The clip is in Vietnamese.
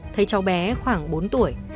thấy cháu bé khoảng bốn tuổi